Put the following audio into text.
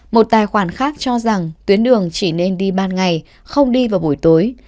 một tài khoản khác cho rằng tuyến đường chỉ nên đi ban ngày không đi vào buổi tối